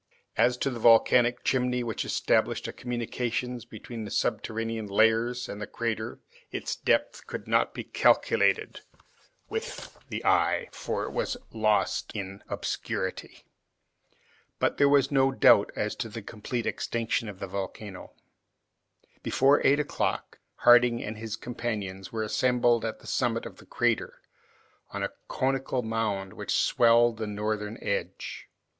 As to the volcanic chimney which established a communication between the subterranean layers and the crater, its depth could not be calculated with the eye, for it was lost in obscurity. But there was no doubt as to the complete extinction of the volcano. Before eight o'clock Harding and his companions were assembled at the summit of the crater, on a conical mound which swelled the northern edge.